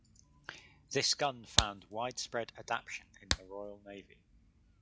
This gun found widespread adaption in the Royal Navy.